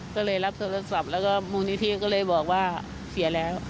ก็เลยรับโทรศัพท์แล้วก็มูลนิธิก็เลยบอกว่าเสียแล้ว